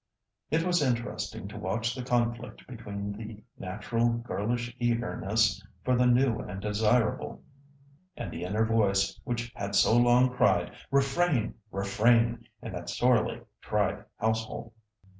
It was interesting to watch the conflict between the natural, girlish eagerness for the new and desirable and the inner voice which had so long cried "refrain, refrain!" in that sorely tried household.